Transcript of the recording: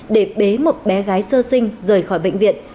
để bế một bé gái sơ sinh rời khỏi bệnh viện